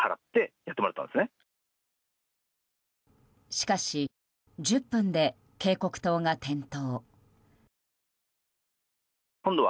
しかし１０分で警告灯が点灯。